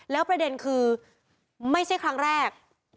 แล้วประเด็นคือไม่ใช่ครั้งแรก